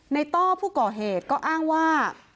ต้อผู้ก่อเหตุก็อ้างว่า